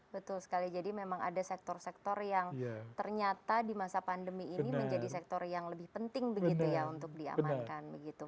betul sekali jadi memang ada sektor sektor yang ternyata di masa pandemi ini menjadi sektor yang lebih penting begitu ya untuk diamankan